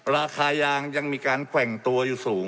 ราคายางยังมีการแกว่งตัวอยู่สูง